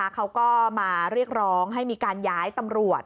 เขาก็มาเรียกร้องให้มีการย้ายตำรวจ